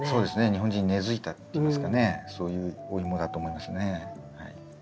日本人に根づいたっていいますかねそういうおイモだと思いますねはい。